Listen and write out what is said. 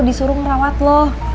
disuruh ngerawat lo